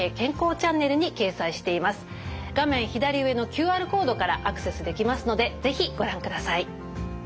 左上のＱＲコードからアクセスできますので是非ご覧ください。